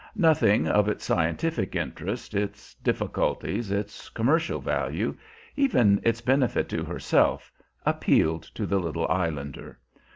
Nothing of its scientific interest, its difficulties, its commercial value, even its benefit to herself, appealed to the little islander.